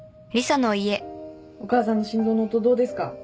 お母さんの心臓の音どうですか？